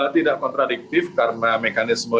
tidak kontradiktif karena mekanisme